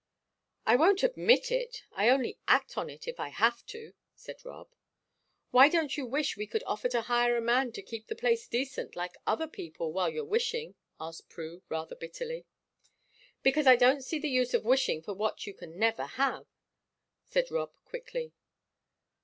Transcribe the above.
"I don't admit it; I only act on it if I have to," said Rob. "Why don't you wish we could afford to hire a man to keep the place decent, like other people, while you're wishing?" asked Prue, rather bitterly. "Because I don't see the use of wishing for what you can never have," said Rob, quickly.